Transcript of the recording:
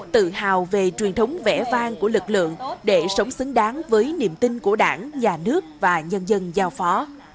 tự hào về truyền thống vẽ vang của lực lượng để sống xứng đáng với niềm tin của đảng nhà nước và nhân dân giao phó